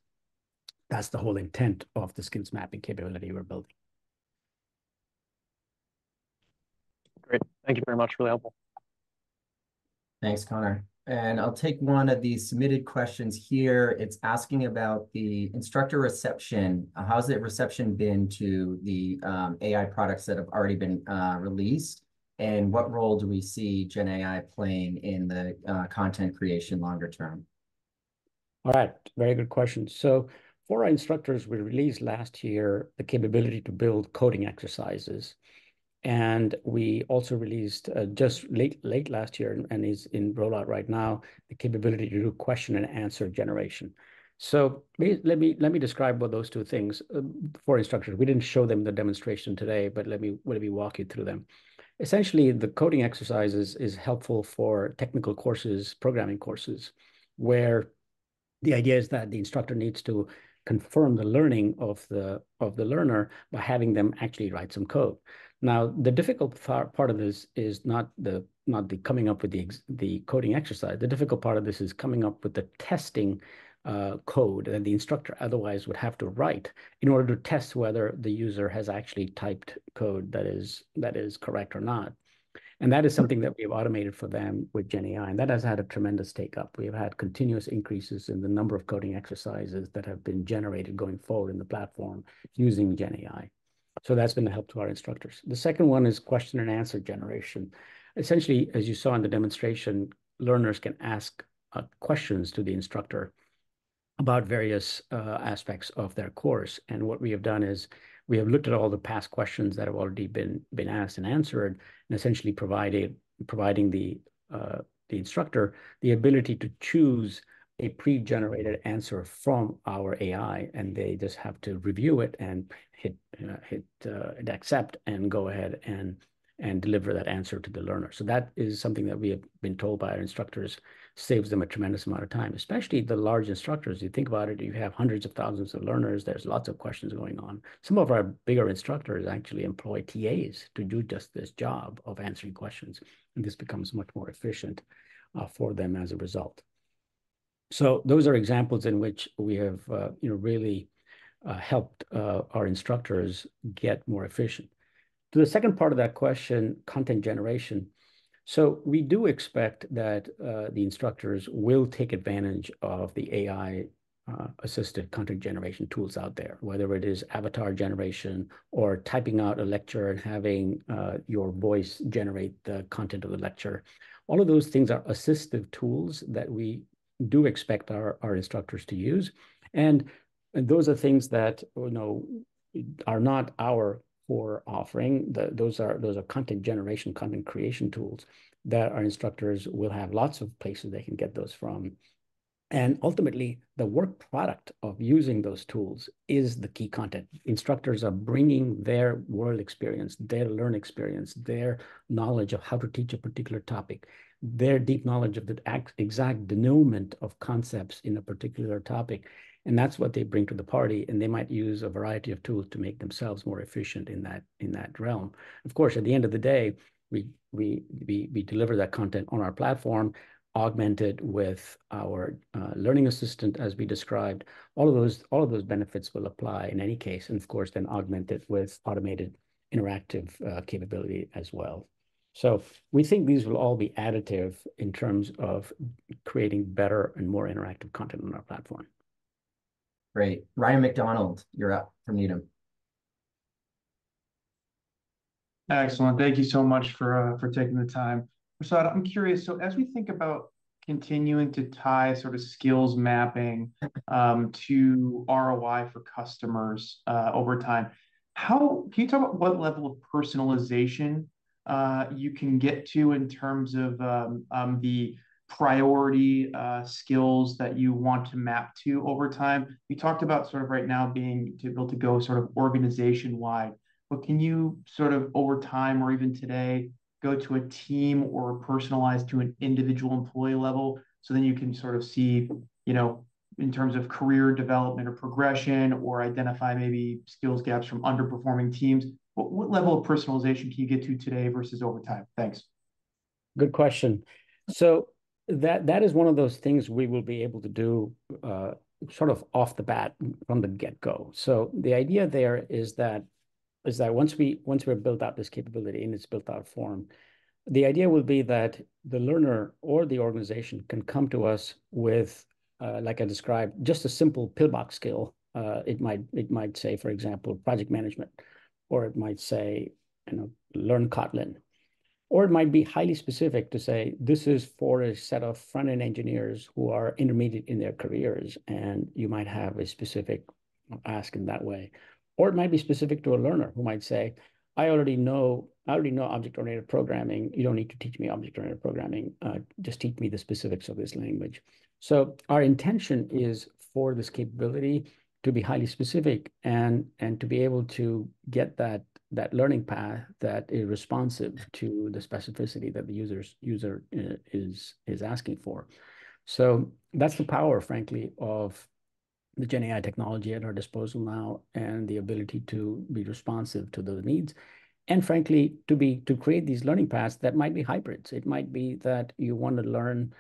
That's the whole intent of the skills mapping capability we're building. Great. Thank you very much. Really helpful. Thanks, Connor. And I'll take one of the submitted questions here. It's asking about the instructor reception. How has that reception been to the AI products that have already been released? And what role do we see Gen AI playing in the content creation longer term? All right. Very good question. So for our instructors, we released last year the capability to build coding exercises. We also released just late last year and is in rollout right now, the capability to do question and answer generation. So let me describe what those two things for instructors. We didn't show them the demonstration today, but let me walk you through them. Essentially, the coding exercises is helpful for technical courses, programming courses, where the idea is that the instructor needs to confirm the learning of the learner by having them actually write some code. Now, the difficult part of this is not the coming up with the coding exercise. The difficult part of this is coming up with the testing code that the instructor otherwise would have to write in order to test whether the user has actually typed code that is correct or not. That is something that we have automated for them with GenAI. That has had a tremendous uptake. We have had continuous increases in the number of coding exercises that have been generated going forward in the platform using GenAI. That's been a help to our instructors. The second one is question and answer generation. Essentially, as you saw in the demonstration, learners can ask questions to the instructor about various aspects of their course. What we have done is we have looked at all the past questions that have already been asked and answered and essentially providing the instructor the ability to choose a pre-generated answer from our AI. They just have to review it and hit accept and go ahead and deliver that answer to the learner. So that is something that we have been told by our instructors saves them a tremendous amount of time, especially the large instructors. You think about it, you have hundreds of thousands of learners. There's lots of questions going on. Some of our bigger instructors actually employ TAs to do just this job of answering questions. And this becomes much more efficient for them as a result. So those are examples in which we have really helped our instructors get more efficient. To the second part of that question, content generation. So we do expect that the instructors will take advantage of the AI-assisted content generation tools out there, whether it is avatar generation or typing out a lecture and having your voice generate the content of the lecture. All of those things are assistive tools that we do expect our instructors to use. Those are things that are not our core offering. Those are content generation, content creation tools that our instructors will have lots of places they can get those from. And ultimately, the work product of using those tools is the key content. Instructors are bringing their world experience, their learned experience, their knowledge of how to teach a particular topic, their deep knowledge of the exact denouement of concepts in a particular topic. And that's what they bring to the party. And they might use a variety of tools to make themselves more efficient in that realm. Of course, at the end of the day, we deliver that content on our platform, augmented with our learning assistant, as we described. All of those benefits will apply in any case. And of course, then augmented with automated interactive capability as well. So we think these will all be additive in terms of creating better and more interactive content on our platform. Great. Ryan MacDonald, you're up from Needham. Excellent. Thank you so much for taking the time. Prasad, I'm curious. So as we think about continuing to tie sort of skills mapping to ROI for customers over time, can you talk about what level of personalization you can get to in terms of the priority skills that you want to map to over time? You talked about sort of right now being able to go sort of organization-wide. But can you sort of over time or even today go to a team or personalize to an individual employee level so then you can sort of see in terms of career development or progression or identify maybe skills gaps from underperforming teams? What level of personalization can you get to today versus over time? Thanks. Good question. That is one of those things we will be able to do sort of off the bat from the get-go. The idea there is that once we've built out this capability and it's built out of form, the idea will be that the learner or the organization can come to us with, like I described, just a simple pillbox skill. It might say, for example, project management, or it might say, "Learn Kotlin." Or it might be highly specific to say, "This is for a set of front-end engineers who are intermediate in their careers." And you might have a specific ask in that way. Or it might be specific to a learner who might say, "I already know object-oriented programming. You don't need to teach me object-oriented programming. Just teach me the specifics of this language." So our intention is for this capability to be highly specific and to be able to get that learning path that is responsive to the specificity that the user is asking for. So that's the power, frankly, of the GenAI technology at our disposal now and the ability to be responsive to those needs. And frankly, to create these learning paths, that might be hybrids. It might be that you want to learn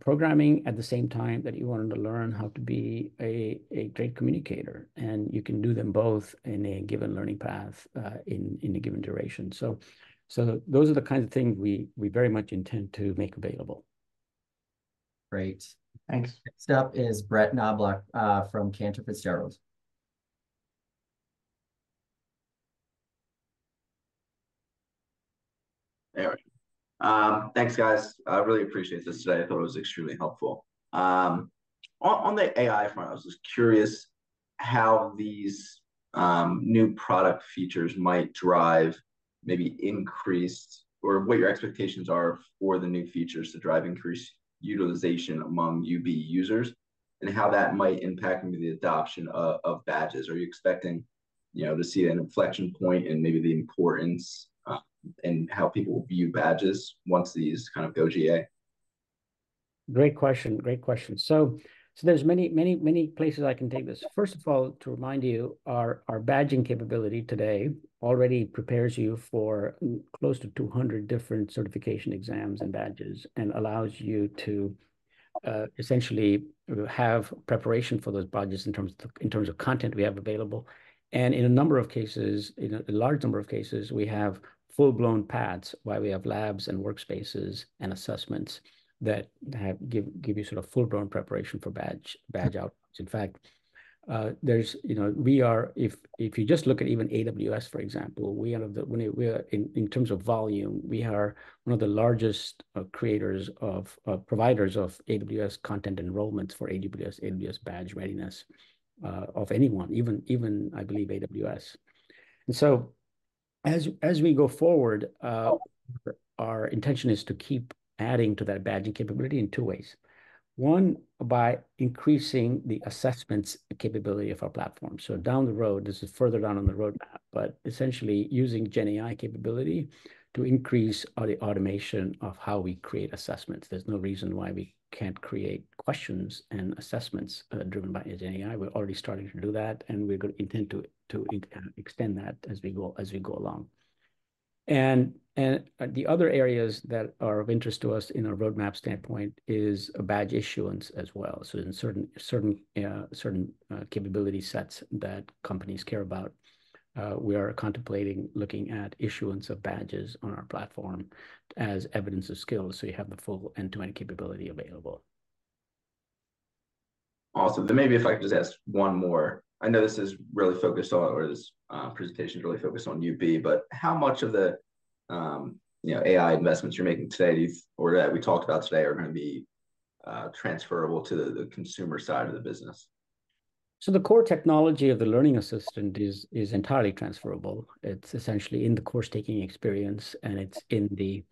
programming at the same time that you want to learn how to be a great communicator. And you can do them both in a given learning path in a given duration. So those are the kinds of things we very much intend to make available. Great. Thanks. Next up is Brett Knoblauch from Stifel. There we go. Thanks, guys. I really appreciate this today. I thought it was extremely helpful. On the AI front, I was just curious how these new product features might drive maybe increased or what your expectations are for the new features to drive increased utilization among UB users and how that might impact maybe the adoption of badges. Are you expecting to see an inflection point in maybe the importance and how people will view badges once these kind of go GA? Great question. Great question. So there's many, many places I can take this. First of all, to remind you, our badging capability today already prepares you for close to 200 different certification exams and badges and allows you to essentially have preparation for those badges in terms of content we have available. And in a number of cases, in a large number of cases, we have full-blown paths where we have labs and workspaces and assessments that give you sort of full-blown preparation for badge outputs. In fact, if you just look at even AWS, for example, we are, in terms of volume, one of the largest providers of AWS content enrollments for AWS badge readiness of anyone, even I believe AWS. And so as we go forward, our intention is to keep adding to that badging capability in two ways. 1, by increasing the assessments capability of our platform. Down the road, this is further down on the roadmap, but essentially using GenAI capability to increase the automation of how we create assessments. There's no reason why we can't create questions and assessments driven by GenAI. We're already starting to do that. We're going to intend to extend that as we go along. The other areas that are of interest to us in our roadmap standpoint is badge issuance as well. In certain capability sets that companies care about, we are contemplating looking at issuance of badges on our platform as evidence of skill. You have the full end-to-end capability available. Awesome. Then maybe if I could just ask one more. I know this is really focused on or this presentation is really focused on UB. But how much of the AI investments you're making today or that we talked about today are going to be transferable to the consumer side of the business? So the core technology of the learning assistant is entirely transferable. It's essentially in the course-taking experience. And it's in the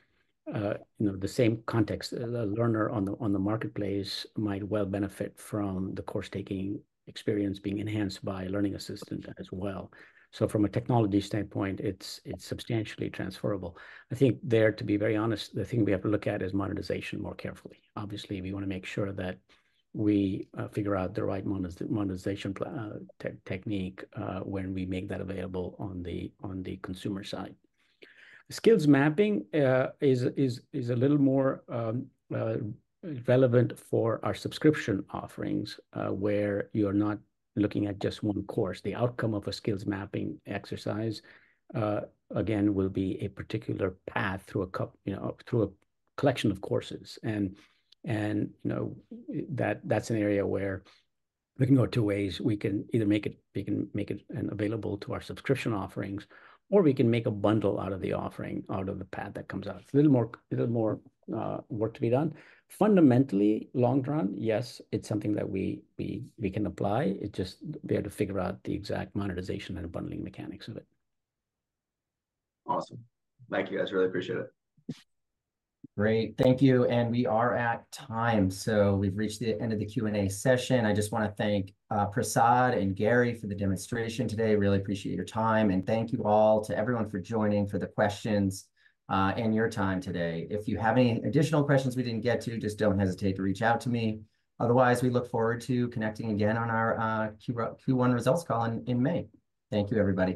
same context. The learner on the marketplace might well benefit from the course-taking experience being enhanced by a learning assistant as well. So from a technology standpoint, it's substantially transferable. I think there, to be very honest, the thing we have to look at is monetization more carefully. Obviously, we want to make sure that we figure out the right monetization technique when we make that available on the consumer side. Skills mapping is a little more relevant for our subscription offerings where you are not looking at just one course. The outcome of a skills mapping exercise, again, will be a particular path through a collection of courses. And that's an area where we can go two ways. We can either make it available to our subscription offerings, or we can make a bundle out of the offering, out of the path that comes out. It's a little more work to be done. Fundamentally, long run, yes, it's something that we can apply. It's just we have to figure out the exact monetization and bundling mechanics of it. Awesome. Thank you, guys. Really appreciate it. Great. Thank you. We are at time. We've reached the end of the Q&A session. I just want to thank Prasad and Gary for the demonstration today. Really appreciate your time. Thank you all to everyone for joining, for the questions, and your time today. If you have any additional questions we didn't get to, just don't hesitate to reach out to me. Otherwise, we look forward to connecting again on our Q1 results call in May. Thank you, everybody.